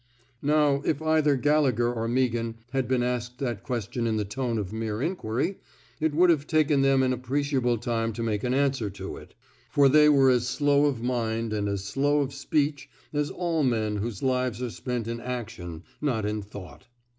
" Now if either Gallegher or Meaghan had been asked that question in the tone of mere inquiry, it would have taken them an ap preciable time to make an answer to it; for 56 A CHAEGE OF COWAEDICE they were as slow of mind and as slow of speech as all men whose lives are spent in action, not in thought.